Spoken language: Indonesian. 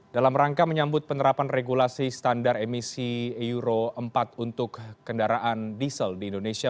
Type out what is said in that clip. dalam rangka menyambut penerapan regulasi standar emisi euro empat untuk kendaraan diesel di indonesia